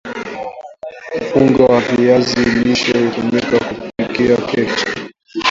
unga wa viazi lishe hutumika kupikia keki